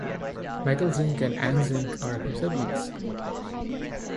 Michel Zink and Anne Zink are her siblings.